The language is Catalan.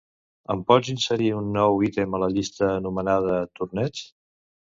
Em pots inserir un nou ítem a la llista anomenada "torneig"?